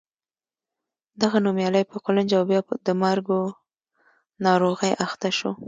دغه نومیالی په قولنج او بیا د مرګو ناروغۍ اخته شو.